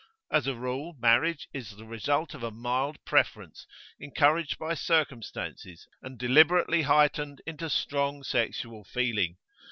As a rule, marriage is the result of a mild preference, encouraged by circumstances, and deliberately heightened into strong sexual feeling.